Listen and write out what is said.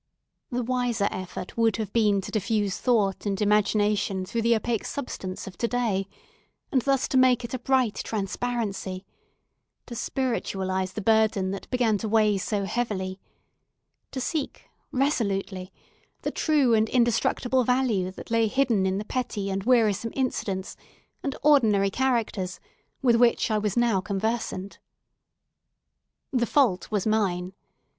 The wiser effort would have been to diffuse thought and imagination through the opaque substance of today, and thus to make it a bright transparency; to spiritualise the burden that began to weigh so heavily; to seek, resolutely, the true and indestructible value that lay hidden in the petty and wearisome incidents, and ordinary characters with which I was now conversant. The fault was mine.